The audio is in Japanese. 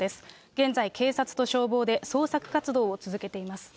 現在、警察と消防で捜索活動を続けています。